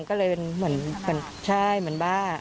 ก็เลยเหมือนบ้า